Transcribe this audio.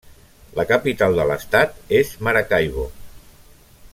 La capital de l'estat és Maracaibo.